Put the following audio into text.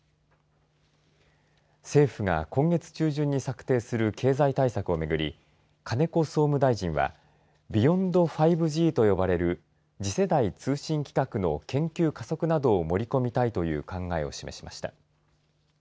政府が今月中旬に策定する経済対策をめぐり金子総務大臣はビヨンド５Ｇと呼ばれる次世代通信規格の研究加速などを盛り込みたいという考えを示しました。